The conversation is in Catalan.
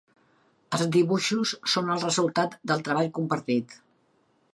Els dibuixos són el resultat del treball compartit.